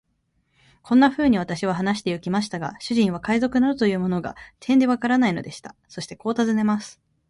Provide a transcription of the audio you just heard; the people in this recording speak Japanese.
こんなふうに私は話してゆきましたが、主人は海賊などというものが、てんでわからないのでした。そしてこう尋ねます。